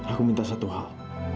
aku minta satu hal